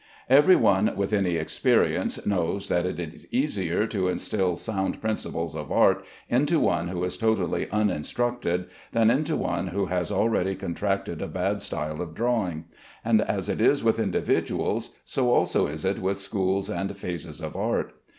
Every one with any experience knows that it is easier to instil sound principles of art into one who is totally uninstructed, than into one who has already contracted a bad style of drawing; and as it is with individuals, so also is it with schools and phases of art.